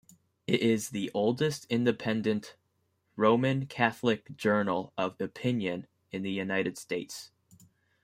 It is the oldest independent Roman Catholic journal of opinion in the United States.